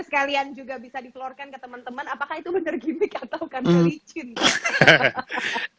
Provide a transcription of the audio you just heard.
sekalian juga bisa di florkan ke teman teman apakah itu bener gimmick atau kan licin hahaha